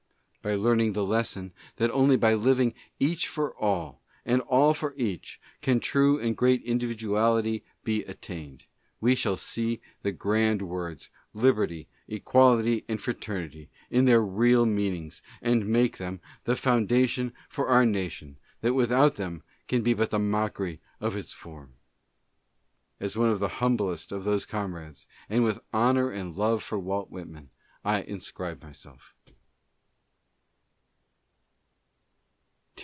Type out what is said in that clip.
By learning the lesson that only by living each for all, and all for each, can true and great individuality be attained, we shall see the grand words, Liberty, Equality and Fraternity, in their real meanings, and make them the foundation for our Na tion that without them can be but the mockery of its form. As one of the humblest of those comrades, and with honor and love for Walt Whitman, I inscribe myself.